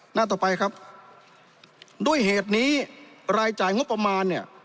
หน้าต่อไปครับด้วยเหตุนี้รายจ่ายงบประมาณเนี่ย